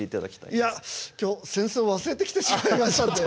いや今日扇子を忘れてきてしまいましたので。